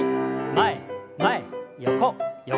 前前横横。